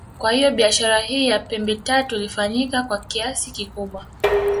Kwa hiyo biashara hii ya pembe tatu ilifanyika kwa kiasi kikubwa